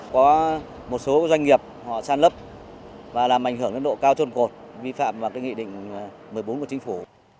có một số doanh nghiệp họ san lấp và làm ảnh hưởng đến độ cao trôn cột vi phạm vào nghị định một mươi bốn của chính phủ